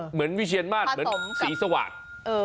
เหมือนวิเชียรมาศเหมือนสีสวาสตร์